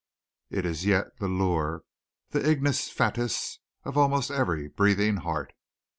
It is yet the lure, the ignis fatuus of almost every breathing heart.